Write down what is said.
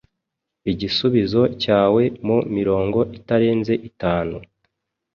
igisubizo cyawe mu mirongo itarenze itanu.